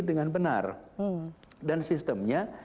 dengan benar dan sistemnya